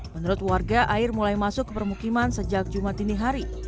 menurut warga air mulai masuk ke permukiman sejak jumat ini hari